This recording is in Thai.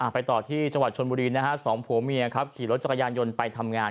ไปต่อที่จังหวัดชนบุรีนะฮะสองผัวเมียครับขี่รถจักรยานยนต์ไปทำงาน